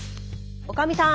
おかみさん